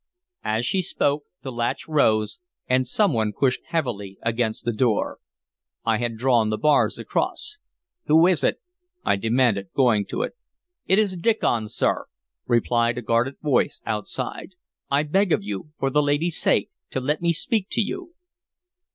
As she spoke, the latch rose and some one pushed heavily against the door. I had drawn the bars across. "Who is it?" I demanded, going to it. "It is Diccon, sir," replied a guarded voice outside. "I beg of you, for the lady's sake, to let me speak to you."